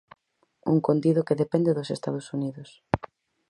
Un contido que depende dos Estados Unidos.